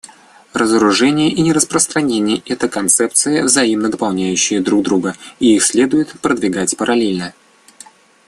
Разоружение и нераспространение — это концепции, взаимно дополняющие друг друга и их следует продвигать параллельно.